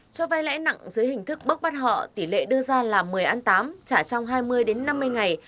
cho vai lãi nặng dưới hình thức bóc bắt họ tỷ lệ đưa ra là một mươi tám trả trong hai mươi năm mươi ngày